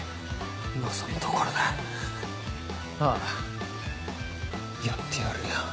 望むところだああやってやるよ。